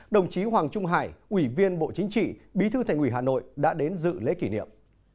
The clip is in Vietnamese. đồng chí hoàng trung hải ủy viên bộ chính trị bí thư thành ủy hà nội đã đến dự lễ kỷ niệm